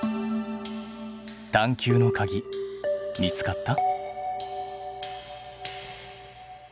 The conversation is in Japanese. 探究のかぎ見つかった？